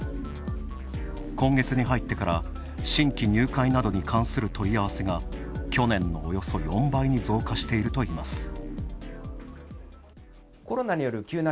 今月に入ってから、新規入会などに関する問い合わせが去年のおよそ４倍に増加しているといいます。